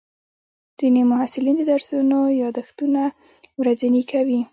ځینې محصلین د درسونو یادښتونه ورځني کوي.